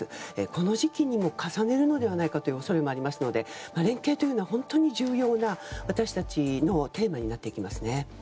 この時期にも重ねるのではないかという恐れもありますので連携というのは本当に重要な私たちのテーマになってきます。